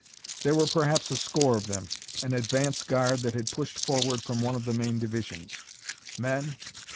There were perhaps a score of them, an advance guard that had pushed forward from one of the main divisions. Men?